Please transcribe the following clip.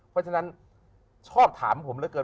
เพราะฉะนั้นชอบถามผมเรื่อย